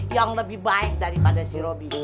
yang lebih baik daripada si robi